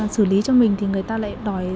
xử lý cho mình thì người ta lại đòi